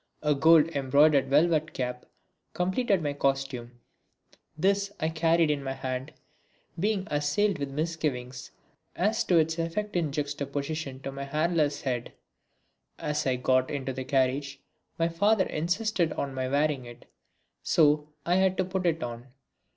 A gold embroidered velvet cap completed my costume. This I carried in my hand, being assailed with misgivings as to its effect in juxtaposition to my hairless head. As I got into the carriage my father insisted on my wearing it, so I had to put it on.